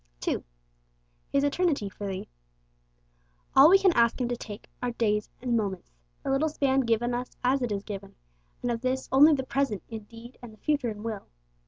2. His Eternity 'for thee.' All we can ask Him to take are days and moments the little span given us as it is given, and of this only the present in deed and the future in will.